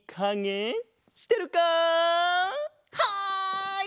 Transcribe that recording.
はい！